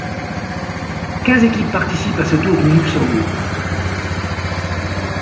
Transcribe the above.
Quinze équipes participent à ce Tour de Luxembourg.